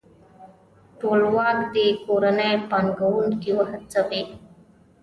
ټولواک دې کورني پانګوونکي وهڅوي.